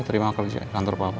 terima kerja kantor papa